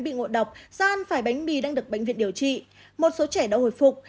bị ngộ độc doan phải bánh mì đang được bệnh viện điều trị một số trẻ đã hồi phục